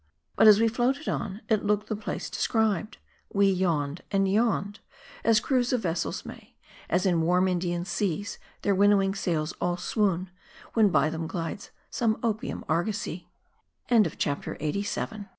But as we floated on, it looked the place described. We yawned, and yawned, as crews of vessels may ; as in warm Indian seas, their Winnowing sails all swoon, when by them glides spine opium argos